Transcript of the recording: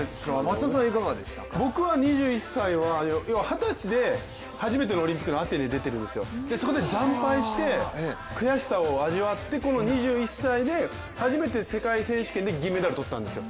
僕は２１歳は、要は二十歳で初めてのオリンピックのアテネ出てるんですよ、そこで惨敗して悔しさを味わって、この２１歳で初めて世界選手権で銀メダルを取ったんですよ。